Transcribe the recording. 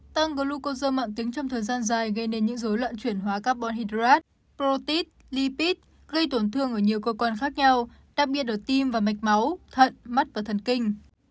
tăng glucozer mạng tính trong thời gian dài gây nên những dối loạn chuyển hóa carbon hydrat protid lipid gây tổn thương ở nhiều cơ quan khác nhau đặc biệt ở tim và mạch máu thận mắt và thần kinh